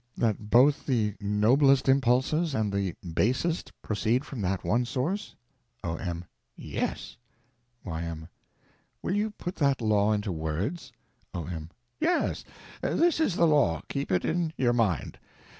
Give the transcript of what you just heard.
That both the noblest impulses and the basest proceed from that one source? O.M. Yes. Y.M. Will you put that law into words? O.M. Yes. This is the law, keep it in your mind.